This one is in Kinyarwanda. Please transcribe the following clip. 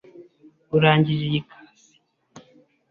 Urangije iyi kasi?